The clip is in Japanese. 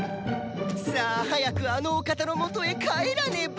さあ早くあのお方のもとへ帰らねば！